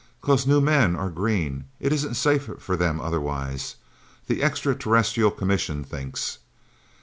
"'Cause new men are green it isn't safe for them, otherwise the Extra Terrestrial Commission thinks.